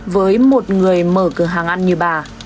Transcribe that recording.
với một người mở cửa hàng ăn như bà